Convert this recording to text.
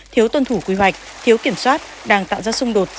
thiếu tuân thủ quy hoạch thiếu kiểm soát đang tạo ra xung đột